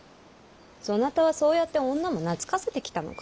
そなたはそうやって女も懐かせてきたのか。